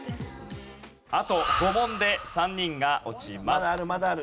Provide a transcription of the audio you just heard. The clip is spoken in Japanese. あと５問で３人が落ちます。